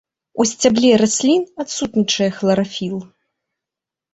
У сцябле раслін адсутнічае хларафіл.